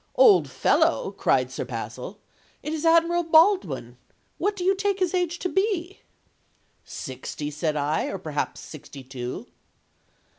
'Old fellow!' cried Sir Basil, 'it is Admiral Baldwin. What do you take his age to be?' 'Sixty,' said I, 'or perhaps sixty two.'